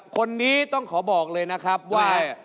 คนนี้ต้องขอบอกเลยนะครับว่า